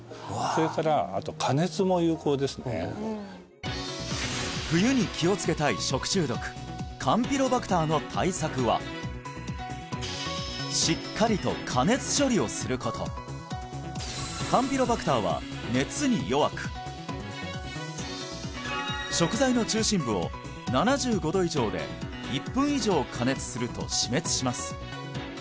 それからあと加熱も有効ですね冬に気をつけたい食中毒カンピロバクターの対策はしっかりと加熱処理をすることカンピロバクターは熱に弱く食材の中心部を７５℃以上で１分以上加熱すると死滅します